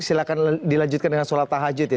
silahkan dilanjutkan dengan sholat tahajud ya